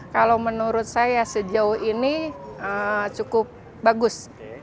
kalau menurut saya sejauh ini cukup bagus